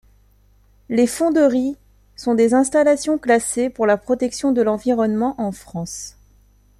Les fonderies sont des installations classées pour la protection de l'environnement en France.